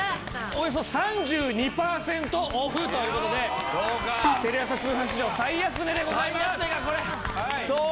およそ３２パーセントオフという事でテレ朝通販史上最安値でございます。